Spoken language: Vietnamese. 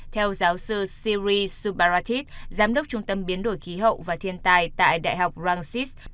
theo giáo sư siri subaratit giám đốc trung tâm biến đổi khí hậu và thiên tài tại đại học rangsit